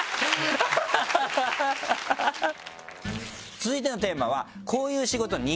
続いてのテーマは。